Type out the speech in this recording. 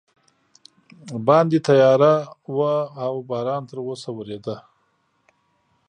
باندې تیاره وه او باران تراوسه ورېده.